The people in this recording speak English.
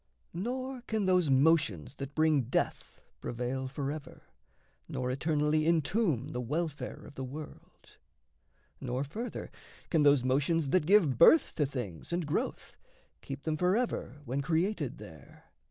Nor can those motions that bring death prevail Forever, nor eternally entomb The welfare of the world; nor, further, can Those motions that give birth to things and growth Keep them forever when created there.